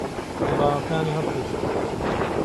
پێڵاوەکانی هەڵکێشا.